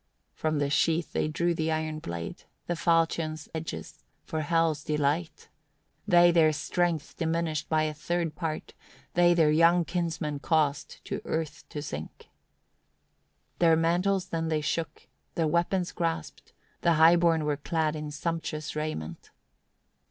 16. From the sheath they drew the iron blade, the falchion's edges, for Hel's delight. They their strength diminished by a third part, they their young kinsman caused to earth to sink. 17. Their mantles then they shook, their weapons grasped; the high born were clad in sumptuous raiment.